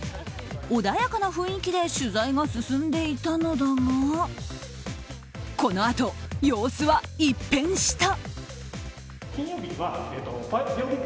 穏やかな雰囲気で取材が進んでいたのだがこのあと、様子は一変した。